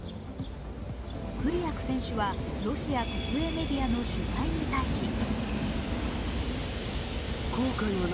クリアク選手はロシア国営メディアの取材に対し